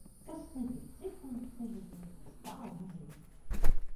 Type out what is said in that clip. Kas negrib citam ceļu dot, tas tālu nevar iet.